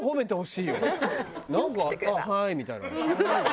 なんか「あっはい」みたいな。